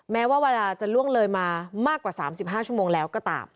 แม้ว่าเวลาจะล่วงเลยมามากกว่า๓๕ชั่วโมงแล้วก็ตาม